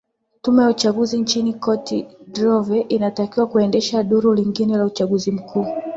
tume ya uchaguzi nchini cote dvoire inatakiwa kuendesha duru lingine la uchaguzi mkuu